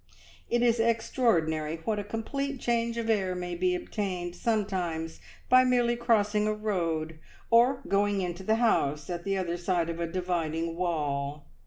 It is extraordinary what a complete change of air may be obtained sometimes by merely crossing a road, or going into the house at the other side of a dividing wall!